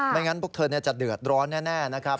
งั้นพวกเธอจะเดือดร้อนแน่นะครับ